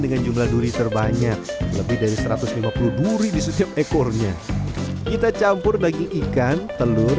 dengan jumlah duri terbanyak lebih dari satu ratus lima puluh duri di setiap ekornya kita campur daging ikan telur